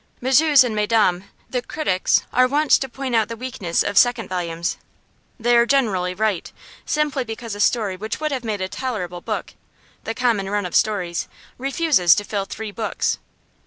Messieurs and mesdames the critics are wont to point out the weakness of second volumes; they are generally right, simply because a story which would have made a tolerable book (the common run of stories) refuses to fill three books.